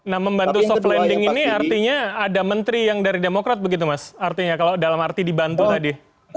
nah membantu soft landing ini artinya ada menteri yang dari demokrat begitu mas artinya kalau dalam arti dibantu tadi